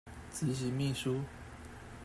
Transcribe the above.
執行秘書